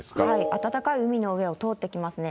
暖かい海の上を通ってきますね。